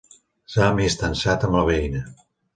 S'ha amistançat amb la veïna.